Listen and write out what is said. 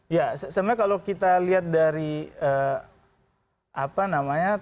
ya sebenarnya kalau kita lihat dari apa namanya